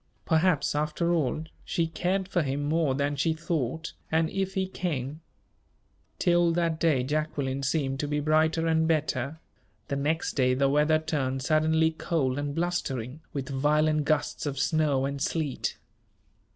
Perhaps, after all, she cared for him more than she thought and if he came Till that day Jacqueline seemed to be brighter and better. The next day the weather turned suddenly cold and blustering, with violent gusts of snow and sleet.